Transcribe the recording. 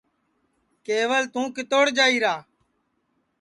کیول تُو کِتوڑ جائیرا